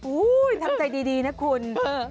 ทำใจดีนะคุณ